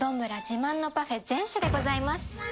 自慢のパフェ全種でございます。